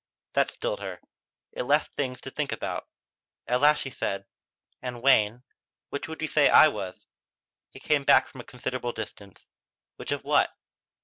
That stilled her. It left her things to think about. At last she asked: "And Wayne, which would you say I was?" He came back from a considerable distance. "Which of what?"